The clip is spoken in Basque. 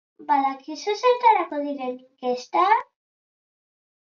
Badakizue zertarako diren inkestak?